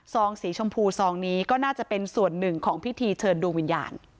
สีชมพูซองนี้ก็น่าจะเป็นส่วนหนึ่งของพิธีเชิญดวงวิญญาณ